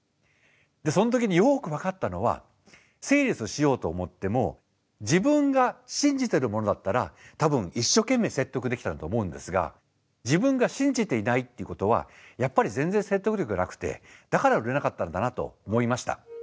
その時によく分かったのはセールスしようと思っても自分が信じてるものだったら多分一生懸命説得できたんだと思うんですが自分が信じていないっていうことはやっぱり全然説得力がなくてだから売れなかったんだなと思いました。